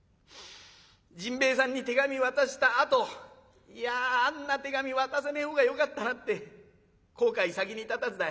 甚兵衛さんに手紙渡したあといやあんな手紙渡さねえ方がよかったなって後悔先に立たずだ。